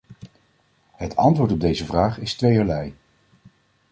Het antwoord op deze vraag is tweeërlei.